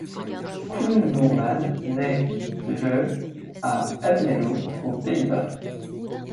Coen Boerman naît le à Almelo aux Pays-Bas.